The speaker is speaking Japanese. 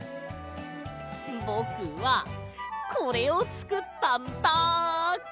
ぼくはこれをつくったんだ！